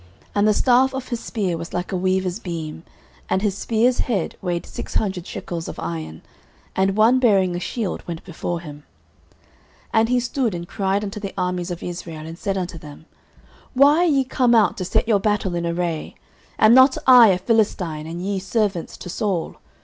09:017:007 And the staff of his spear was like a weaver's beam; and his spear's head weighed six hundred shekels of iron: and one bearing a shield went before him. 09:017:008 And he stood and cried unto the armies of Israel, and said unto them, Why are ye come out to set your battle in array? am not I a Philistine, and ye servants to Saul?